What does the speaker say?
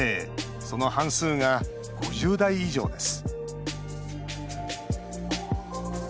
その半数が５０代以上です